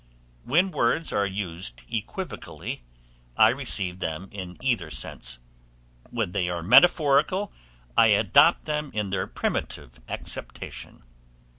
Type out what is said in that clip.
When words are used equivocally I receive them in either sense; when they are metaphorical, I adopt them in their primitive acceptation.